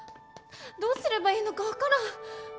どうすればいいのか分からん！